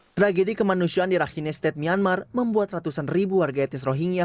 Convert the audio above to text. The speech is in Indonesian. tragedi kemanusiaan di rakhine state myanmar membuat ratusan ribu warga etnis rohingya